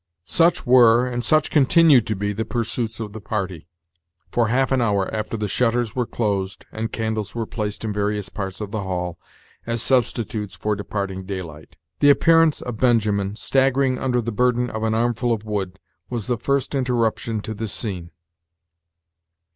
Such were, and such continued to be, the pursuits of the party, for half an hour after the shutters were closed, and candles were placed in various parts of the hall, as substitutes for departing daylight. The appearance of Benjamin, staggering under the burden of an armful of wood, was the first interruption to the scene.